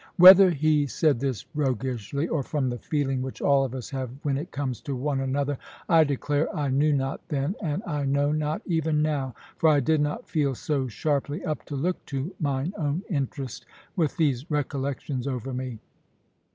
Whether he said this roguishly, or from the feeling which all of us have when it comes to one another, I declare I knew not then, and I know not even now. For I did not feel so sharply up to look to mine own interest, with these recollections over me.